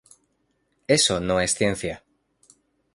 Eso no es ciencia.